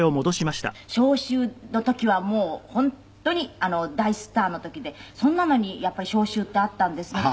召集の時はもう本当に大スターの時でそれなのにやっぱり召集ってあったんですね。